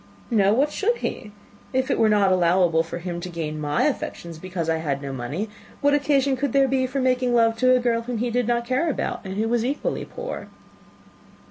"No why should he? If it were not allowable for him to gain my affections, because I had no money, what occasion could there be for making love to a girl whom he did not care about, and who was equally poor?"